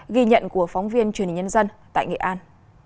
ghi nhận của phóng viên truyền hình nhân dân tại nghệ an